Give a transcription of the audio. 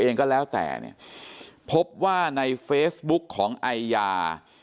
ตัวเองก็แล้วแต่พบว่าในเฟซบุ๊คของไอยา